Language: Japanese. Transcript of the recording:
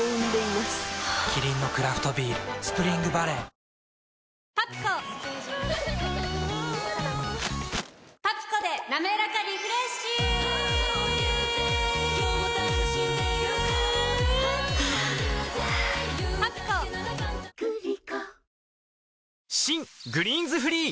キリンのクラフトビール「スプリングバレー」新「グリーンズフリー」